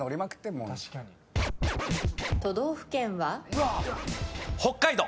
都道府県は？北海道。